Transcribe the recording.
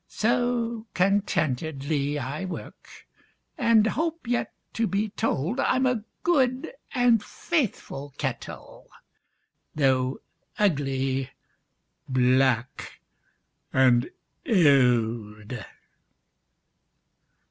So contentedly I work, And hope yet to be told I'm a good and faithful kettle, Though ugly, black, and old.